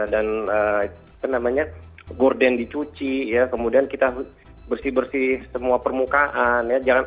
dan gorden dicuci ya kemudian kita bersih bersih semua permukaan